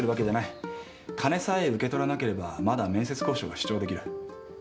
金さえ受け取らなければまだ面接交渉は主張できる。